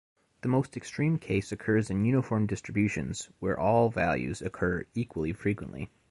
The most extreme case occurs in uniform distributions, where all values occur equally frequently.